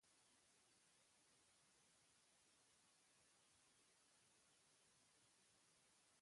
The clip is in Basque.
Euzkadi egunkarian argitaratu nituen irakurgaiak.